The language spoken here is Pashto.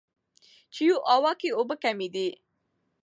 چیواوا کې اوبه کمې دي.